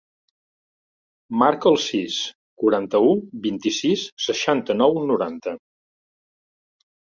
Marca el sis, quaranta-u, vint-i-sis, seixanta-nou, noranta.